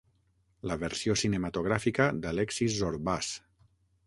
La versió cinematogràfica d'"Alexis Zorbàs".